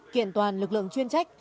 kiện toàn lực lượng chuyên trách